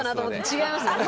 違いますね。